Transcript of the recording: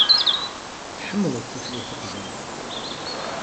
Tḥemmleḍ tutlayt taqbaylit.